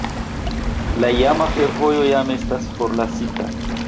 La iama fervojo jam estas forlasita.